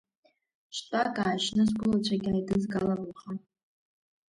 Шьтәак аашьны, сгәылацәагь ааидызгалап уаха.